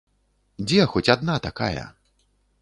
Дзе хоць адна такая?